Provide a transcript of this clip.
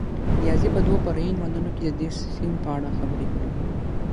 نیازي په دوو فرعي عنوانونو کې د دې سیند په اړه خبرې کړې دي.